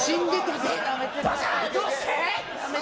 どうして？